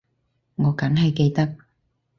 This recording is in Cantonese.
我梗係記得